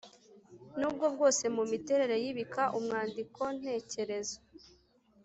n’ubwo bwose mu miterere y’ibika umwandiko ntekerezo